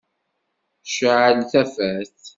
Cεel tafat.